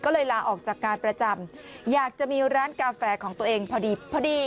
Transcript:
ก็เลยลาออกจากการประจำอยากจะมีร้านกาแฟของตัวเองพอดีพอดี